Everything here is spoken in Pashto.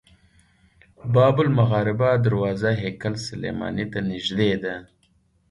باب المغاربه دروازه هیکل سلیماني ته نږدې ده.